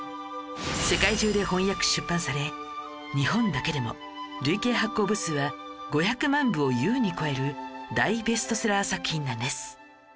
世界中で翻訳出版され日本だけでも累計発行部数は５００万部を優に超える大ベストセラー作品なんです